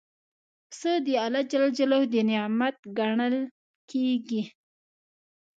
پسه د الله نعمت ګڼل کېږي.